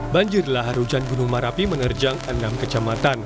banjirlah harujan gunung marapi menerjang enam kecamatan